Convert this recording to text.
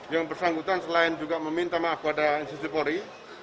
yang bersangkutan selain juga meminta maaf kepada institusi polri